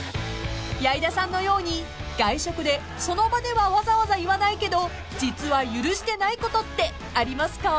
［矢井田さんのように外食でその場ではわざわざ言わないけど実は許してないことってありますか？］